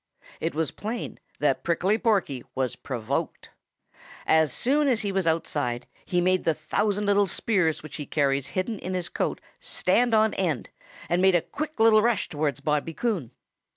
It was plain that Prickly Porky was provoked. [Ill 0009] As soon as he was outside, he made the thousand little spears which he carries hidden in his coat stand on end, and made a quick little rush towards Bobby Coon.